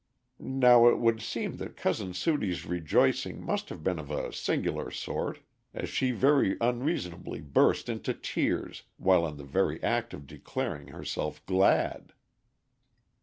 "] Now it would seem that Cousin Sudie's rejoicing must have been of a singular sort, as she very unreasonably burst into tears while in the very act of declaring herself glad.